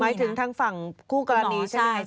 หมายถึงทางฝั่งคู่กรณีใช่ไหม